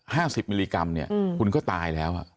สิบมิลลิกรัมเนี่ยคุณก็ตายแล้วอ่ะ